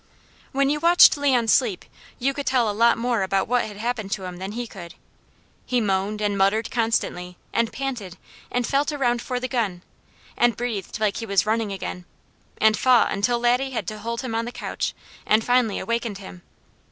When you watched Leon sleep you could tell a lot more about what had happened to him than he could. He moaned, and muttered constantly, and panted, and felt around for the gun, and breathed like he was running again, and fought until Laddie had to hold him on the couch, and finally awakened him.